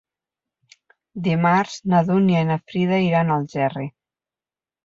Dimarts na Dúnia i na Frida iran a Algerri.